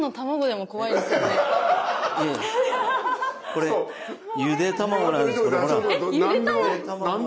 これゆで卵なんです。